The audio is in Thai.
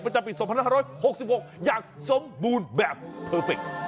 มันจะเป็น๒๕๖๖อย่างสมบูรณ์แบบเพอร์เฟกต์